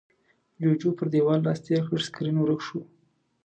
جُوجُو پر دېوال لاس تېر کړ، سکرين ورک شو.